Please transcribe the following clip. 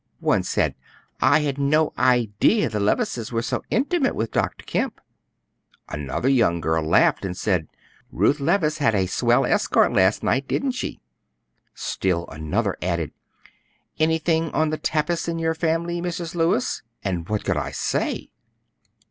One said, 'I had no idea the Levices were so intimate with Dr. Kemp;' another young girl laughed and said, 'Ruth Levice had a swell escort last night, didn't she?' Still another asked, 'Anything on the tapis in your family, Mrs. Lewis?' And what could I say?"